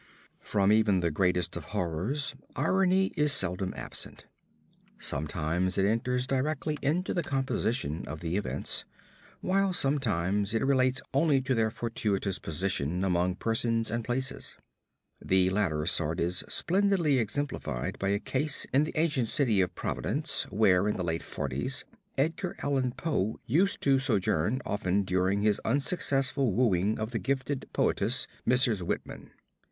From even the greatest of horrors irony is seldom absent. Sometimes it enters directly into the composition of the events, while sometimes it relates only to their fortuitous position among persons and places. The latter sort is splendidly exemplified by a case in the ancient city of Providence, where in the late forties Edgar Allan Poe used to sojourn often during his unsuccessful wooing of the gifted poetess, Mrs. Whitman.